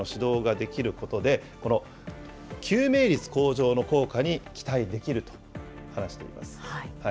映像を通して適切な応急手当の指導ができることで、この救命率向上の効果に期待できると話しています。